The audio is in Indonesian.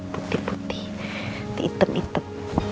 putih putih nanti hitam hitam